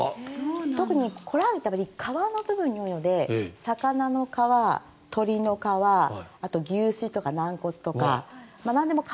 特にコラーゲンは皮の部分に多いので魚の皮、鳥の皮あと牛筋とか軟骨とかなんでも皮。